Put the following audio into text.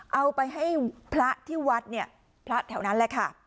เอาไปให้พระที่วัดเนี่ยพระแถวนั้นแหละค่ะ